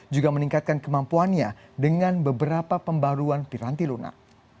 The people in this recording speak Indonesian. juga meningkatkan kemampuannya dengan beberapa pembaruan piranti lunak